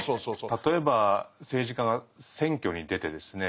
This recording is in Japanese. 例えば政治家が選挙に出てですね